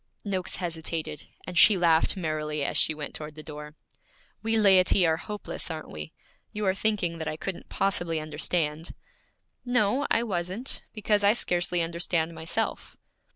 Noakes hesitated, and she laughed merrily as she went toward the door. 'We laity are hopeless, aren't we? You are thinking that I couldn't possibly understand?' 'No, I wasn't, because I scarcely understand myself.'